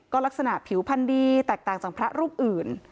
ก็ลักษณะผิวพันธ์ดีแตกต่างจากพระรูปอื่น